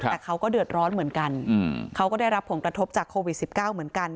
แต่เขาก็เดือดร้อนเหมือนกันเขาก็ได้รับผลกระทบจากโควิด๑๙เหมือนกัน